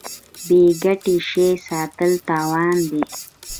بې ګټې شی ساتل تاوان دی.